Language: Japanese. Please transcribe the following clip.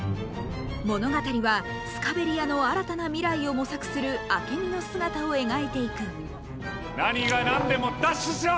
物語はスカベリアの新たな未来を模索するアケミの姿を描いていく何が何でも奪取しろ！